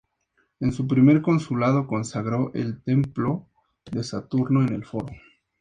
En su primer consulado consagró el templo de Saturno en el Foro.